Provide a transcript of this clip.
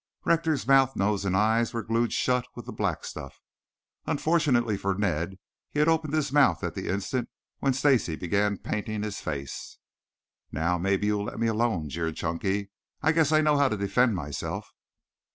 Rector's mouth, nose and eyes were glued shut with the black stuff. Unfortunately for Ned he had opened his mouth at the instant when Stacy began painting his face. "Now, maybe you will let me alone," jeered Chunky. "I guess I know how to defend myself."